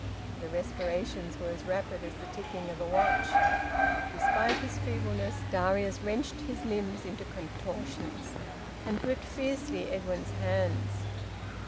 The respirations were as rapid as the ticking of a watch. Despite his feebleness Darius wrenched his limbs into contortions, and gripped fiercely Edwin's hands.